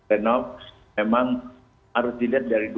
itu memang harus dilihat dari gugur